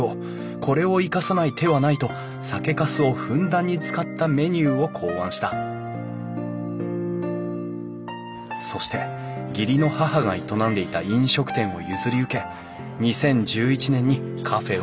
これを生かさない手はないと酒かすをふんだんに使ったメニューを考案したそして義理の母が営んでいた飲食店を譲り受け２０１１年にカフェをオープン。